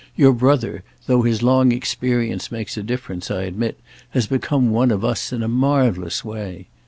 Your brother, though his long experience makes a difference, I admit, has become one of us in a marvellous way."